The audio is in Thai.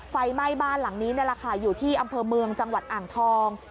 ไฟไหม้บ้านหลังนี้นี่แหละค่ะอยู่ที่อำเภอเมืองจังหวัดอ่างทอง